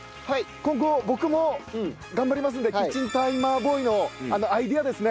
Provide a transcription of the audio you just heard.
今後僕も頑張りますんでキッチンタイマーボーイのアイデアですね